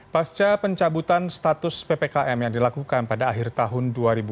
pasca pencabutan status ppkm yang dilakukan pada akhir tahun dua ribu dua puluh